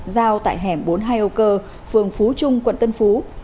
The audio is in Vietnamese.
giao tại hẻm bốn mươi hai âu cơ phường phú trung quận tân phú